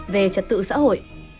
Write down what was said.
về trật tự xã hội